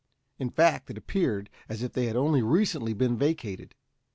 In fact it appeared as if it had only recently been vacated.